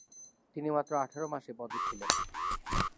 তিনি মাত্র আঠারো মাস এ পদে ছিলেন।